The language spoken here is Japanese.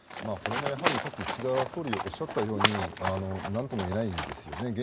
これもやはり、さっき岸田総理がおっしゃったように何とも言えないですよね。